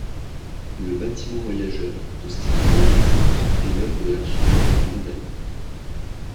Le bâtiment voyageurs de style néo-classique est l’œuvre de l'architecte Blondel.